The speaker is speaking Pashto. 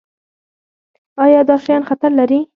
ایا دا شیان خطر لري؟